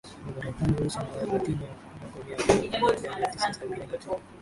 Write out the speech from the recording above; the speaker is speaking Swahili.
Wamarekani weusi na Walatino kunako miaka ya elfu moja mia tisa sabini katika